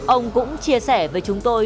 ông cũng chia sẻ với chúng tôi